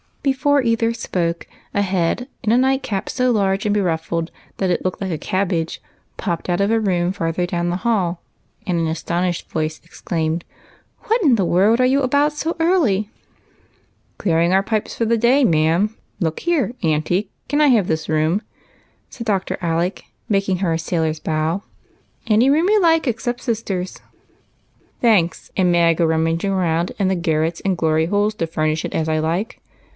Before either sj^oke, a head, in a nightcap so large and beruffled that it looked like a cabbage, popped out of a room farther down the hall, and an astonished voice exclaimed, —" What in the world are you about so early ?"*' Clearing our pipes for the day, ma'am. Look here, auntie, can I have this room ?" said Dr. Alec, making her a sailor's bow. " Any room you like, except sister's." " Thanks. And may I go rummaging round in the garrets and glory holes to furnish it as I like?"